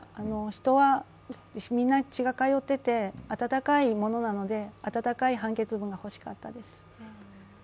人はみんな血が通っていて、温かいものなので、温かい判決文が欲しかったです。